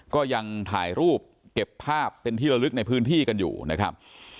ก็ยังถ่ายรูปเก็บภาพเป็นที่ละลึกในพื้นที่กันอยู่นะครับ